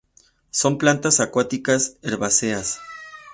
Son plantas acuáticas herbáceas.